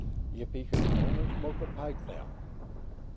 If he could only smoke a pipe, now!